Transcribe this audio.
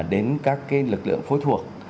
đến các cái lực lượng phối thuộc